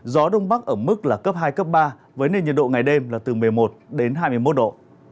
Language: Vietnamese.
gió đông bắc ở mức là cấp hai cấp ba với nền nhiệt độ ngày đêm là từ một mươi một đến hai mươi một độ